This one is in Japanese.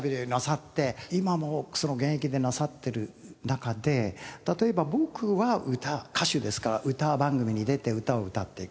今も現役でなさっている中で例えば僕は歌歌手ですから歌番組に出て歌を歌っていく。